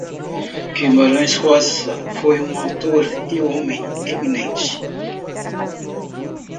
Guimarães Rosa foi um autor e homem eminente.